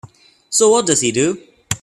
So what does he do?